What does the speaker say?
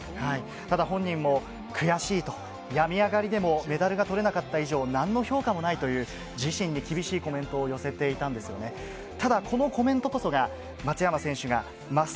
本人も悔しいと、病み上がりでもメダルが取れなかった以上、何の評価もないという自身に厳しいコメントを寄せていました。